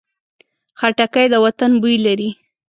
خټکی د وطن بوی لري.